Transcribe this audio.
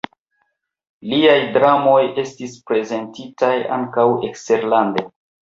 Liaj dramoj estis prezentitaj ankaŭ eksterlande.